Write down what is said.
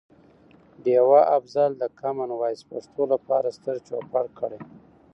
ډیوه افضل د کمان وایس پښتو لپاره ستر چوپړ کړي.